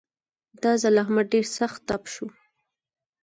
دا ځل احمد ډېر سخت تپ شو.